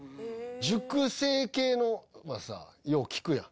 熟成系のはさぁ、よう聞くやん？